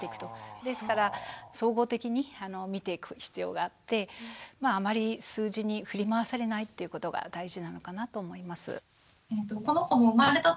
ですから総合的に見ていく必要があってあまり数字に振り回されないということが大事なのかなと思います。